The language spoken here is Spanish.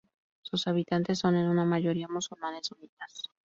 Sus habitantes son en su mayoría musulmanes sunitas.